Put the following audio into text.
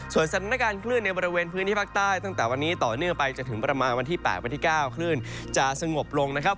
สถานการณ์คลื่นในบริเวณพื้นที่ภาคใต้ตั้งแต่วันนี้ต่อเนื่องไปจนถึงประมาณวันที่๘วันที่๙คลื่นจะสงบลงนะครับ